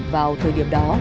vào thời điểm đó